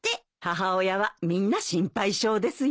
母親はみんな心配性ですよ。